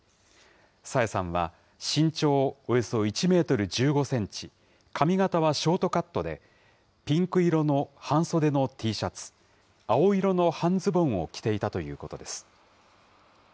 朝芽さんは身長およそ１メートル１５センチ、髪形はショートカットで、ピンク色の半袖のＴシャツ、青色の半ズボンを着ていたということです。